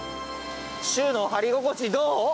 シューの張り心地どう？